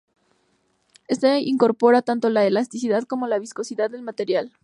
Esto incorpora tanto la elasticidad como la viscosidad del material.